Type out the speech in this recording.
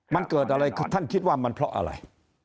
มันเกิดอะไรท่านคิดว่ามันเพราะอะไร